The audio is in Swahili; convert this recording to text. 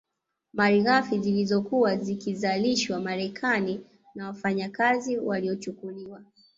Malighafi zilizokuwa zikizalishwa Amerika na wafanyakazi waliochukuliwa